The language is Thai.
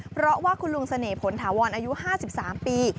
เพราะว่าคุณลุงเสน่ห์ผลถาวรอายุห้าสิบสามปี